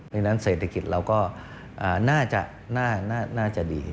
ดังนั้นเศรษฐกิจเราก็น่าจะดี